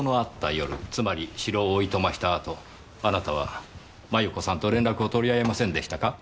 つまり城をお暇したあとあなたは繭子さんと連絡を取り合いませんでしたか？